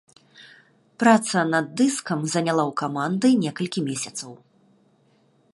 Праца над дыскам заняла ў каманды некалькі месяцаў.